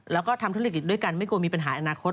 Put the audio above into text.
แล้วก็ทำธุรกิจด้วยกันไม่กลัวมีปัญหาอนาคต